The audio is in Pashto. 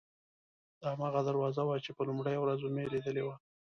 دا هماغه دروازه وه چې په لومړۍ ورځ مې لیدلې وه.